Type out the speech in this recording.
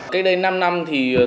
cách đây năm năm thì tôi